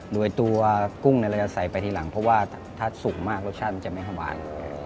โดยตัวกุ้งเราจะใส่ไปทีหลังเพราะว่าถ้าสุกมากรสชาติมันจะไม่หวาน